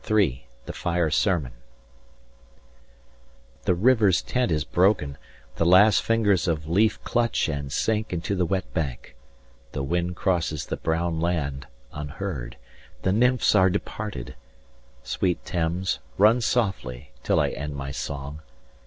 III. THE FIRE SERMON The river's tent is broken: the last fingers of leaf Clutch and sink into the wet bank. The wind Crosses the brown land, unheard. The nymphs are departed. 175 Sweet Thames, run softly, till I end my song.